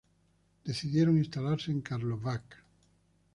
Decidieron instalarse en Karlovac.